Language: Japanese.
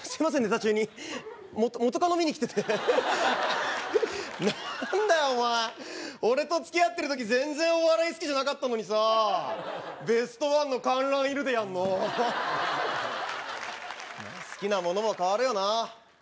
途中に元カノ見に来てて何だよお前俺と付き合ってる時全然お笑い好きじゃなかったのにさベストワンの観覧いるでやんの好きなものも変わるよな